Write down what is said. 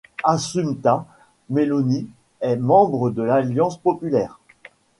Assunta Meloni est membre de l'Alliance populaire.